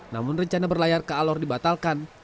namun rencana berlayar ke alor dibatalkan